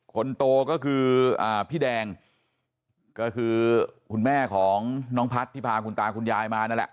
คนโตก็คือพี่แดงก็คือคุณแม่ของน้องพัฒน์ที่พาคุณตาคุณยายมานั่นแหละ